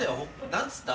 何つった？